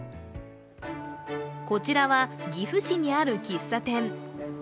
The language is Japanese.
こちらは、岐阜市にある喫茶店。